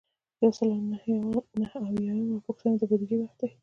یو سل او نهه اویایمه پوښتنه د بودیجې وخت دی.